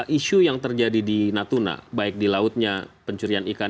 isu yang terjadi di natuna baik di lautnya pencurian ikan